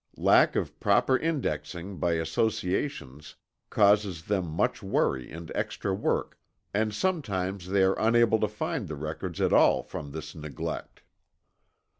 Lack of proper indexing by associations causes them much worry and extra work, and sometimes they are unable to find the records at all from this neglect.